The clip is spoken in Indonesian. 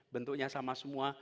bentuknya sama semua